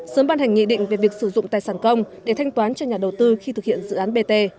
sớm ban hành nghị định về việc sử dụng tài sản công để thanh toán cho nhà đầu tư khi thực hiện dự án bt